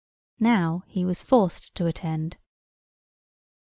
Now he was forced to attend.